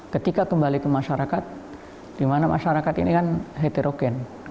ketika kembali ke masyarakat di mana masyarakat ini kan heterogen